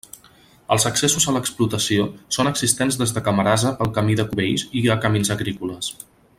Els accessos a l'explotació són existents des de Camarasa pel camí de Cubells i camins agrícoles.